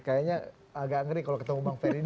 kayaknya agak ngeri kalau ketemu bang ferdinand